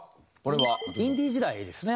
インディーズ時代ですね